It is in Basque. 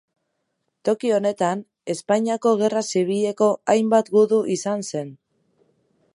Toki honetan Espainiako Gerra Zibileko hainbat gudu izan zen.